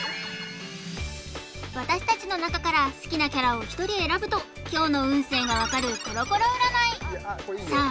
私たちの中から好きなキャラを１人選ぶと今日の運勢が分かるコロコロ占いさあ